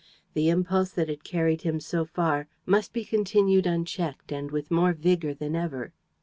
The impulse that had carried him so far must be continued unchecked and with more vigor than ever.